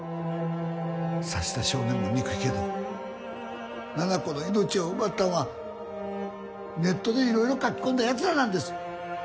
刺した少年も憎いけど七菜子の命を奪ったんはネットでいろいろ書き込んだヤツらなんです！